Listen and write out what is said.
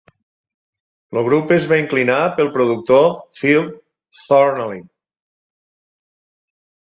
El grup es va inclinar pel productor Phil Thornalley.